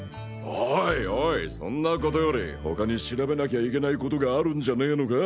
おいおいそんなことより他に調べなきゃいけないことがあるんじゃねえのか？